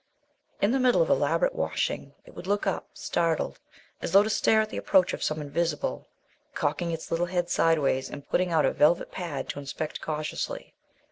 In the middle of elaborate washing it would look up, startled, as though to stare at the approach of some Invisible, cocking its little head sideways and putting out a velvet pad to inspect cautiously.